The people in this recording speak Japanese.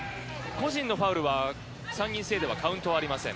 個人のファウルは、３人制ではカウントはありません。